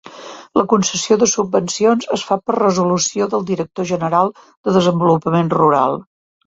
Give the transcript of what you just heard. La concessió de subvencions es fa per resolució del director general de Desenvolupament Rural.